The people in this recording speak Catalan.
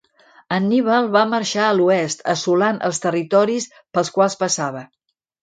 Anníbal va marxar a l'oest, assolant els territoris pels quals passava.